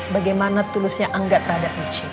bagaimana tulusnya angga terhadap michi